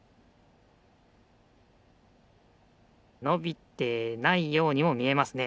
のびてないようにもみえますね。